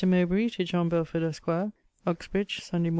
MOWBRAY, TO JOHN BELFORD, ESQ. UXBRIDGE, SUNDAY MORN.